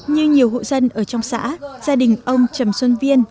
như nhiều hộ dân ở trong xã gia đình ông trầm xuân viên